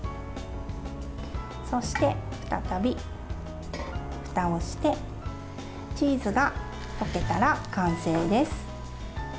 そして、再びふたをしてチーズが溶けたら完成です。